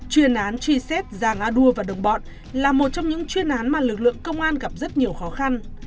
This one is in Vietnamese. chuyên án truy xét già a đua và đồng bọn là một trong những chuyên án mà lực lượng công an gặp rất nhiều khó khăn